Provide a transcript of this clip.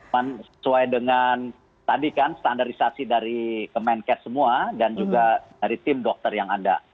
sesuai dengan tadi kan standarisasi dari kemenkes semua dan juga dari tim dokter yang ada